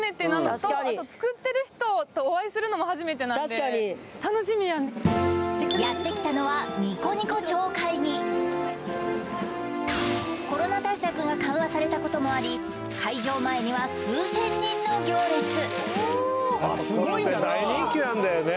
確かに確かに楽しみやってきたのはニコニコ超会議コロナ対策が緩和されたこともあり開場前にはわっすごいんだなこういうのって大人気なんだよね